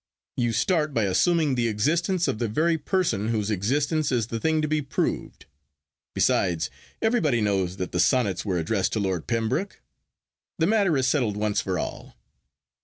You start by assuming the existence of the very person whose existence is the thing to be proved. Besides, everybody knows that the Sonnets were addressed to Lord Pembroke. The matter is settled once for all.